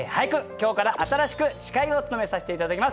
今日から新しく司会を務めさせて頂きます。